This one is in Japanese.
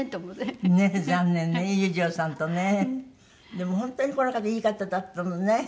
でも本当にこの方いい方だったのね。